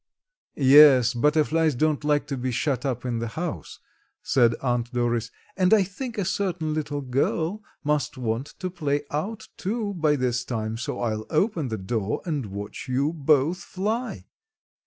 "Yes, butterflies don't like to be shut up in the house," said Aunt Doris, "and I think a certain little girl must want to play out too by this time, so I'll open the door and watch you both fly."